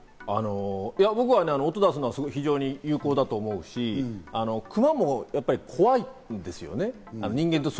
僕はね、音を出すのは有効だと思うし、クマも怖いんですよね。